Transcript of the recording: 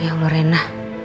ya allah rena